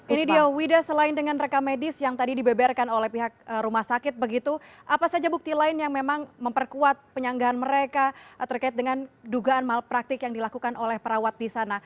ini dia wida selain dengan rekam medis yang tadi dibeberkan oleh pihak rumah sakit begitu apa saja bukti lain yang memang memperkuat penyanggahan mereka terkait dengan dugaan malpraktik yang dilakukan oleh perawat di sana